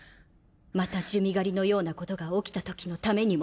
また珠魅狩りのようなことが起きたときのためにも。